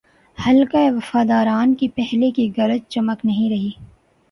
حلقۂ وفاداران کی پہلے کی گرج چمک نہیںرہی۔